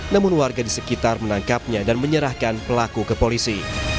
namun warga di sekitar menangkapnya dan menyerahkan pelaku ke polisi